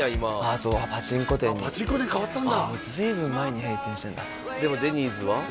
あそうパチンコ店にパチンコ店にかわったんだ随分前に閉店してるんだでもデニーズは？